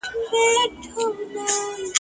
ښوونکي تل هڅه کوي چي شاګردان ښه وروزي.